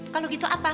kalau gitu apa